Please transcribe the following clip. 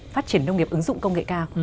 phát triển nông nghiệp ứng dụng công nghệ cao